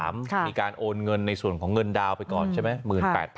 มีการโอนเงินในส่วนของเงินดาวนไปก่อนใช่ไหม